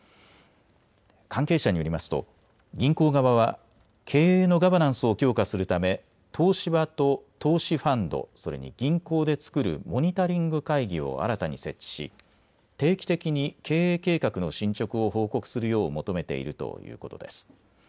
関係者によりますと銀行側は経営のガバナンスを強化するため東芝と投資ファンド、それに銀行で作るモニタリング会議を新たに設置し定期的に経営計画の進捗を報告するよう求めているということです。